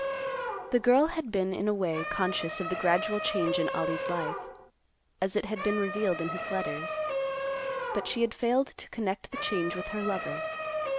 The girl had been in a way conscious of the gradual change in Ollie's life, as it had been revealed in his letters, but she had failed to connect the change with her lover.